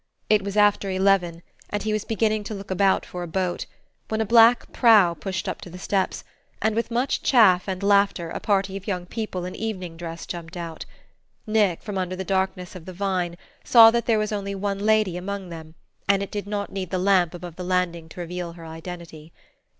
It was after eleven, and he was beginning to look about for a boat, when a black prow pushed up to the steps, and with much chaff and laughter a party of young people in evening dress jumped out. Nick, from under the darkness of the vine, saw that there was only one lady among them, and it did not need the lamp above the landing to reveal her identity.